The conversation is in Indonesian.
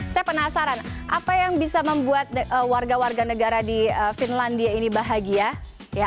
saya penasaran apa yang bisa membuat warga warga negara di finlandia ini bahagia